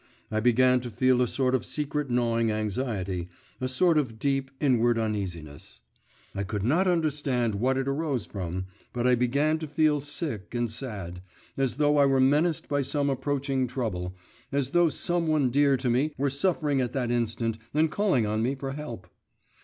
I began to feel a sort of secret gnawing anxiety, a sort of deep, inward uneasiness. I could not understand what it arose from, but I began to feel sick and sad, as though I were menaced by some approaching trouble, as though some one dear to me were suffering at that instant and calling on me for help.